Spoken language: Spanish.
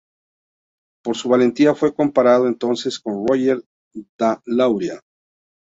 Por su valentía fue comparado entonces con Roger de Lauria.